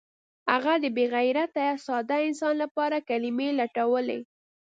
هغه د بې غیرته ساده انسان لپاره کلمې لټولې